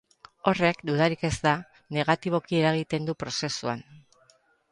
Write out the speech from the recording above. Horrek, dudarik ez da, negatiboki eragiten du prozesuan.